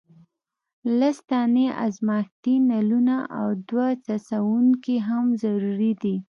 لس دانې ازمیښتي نلونه او دوه څڅونکي هم ضروري دي.